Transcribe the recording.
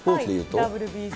ＷＢＣ。